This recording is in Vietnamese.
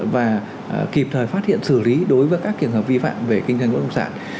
và kịp thời phát hiện xử lý đối với các trường hợp vi phạm về kinh doanh bất động sản